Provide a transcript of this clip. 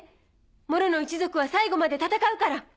モロの一族は最後まで戦うから。